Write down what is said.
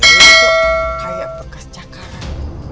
ini kok kayak bekas cakaran